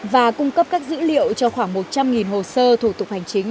và cung cấp các dữ liệu cho khoảng một trăm linh hồ sơ thủ tục hành chính